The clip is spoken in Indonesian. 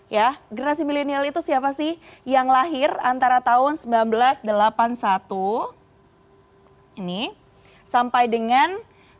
ya generasi milenial itu siapa sih yang lahir antara tahun seribu sembilan ratus delapan puluh satu ini sampai dengan seribu sembilan ratus sembilan puluh enam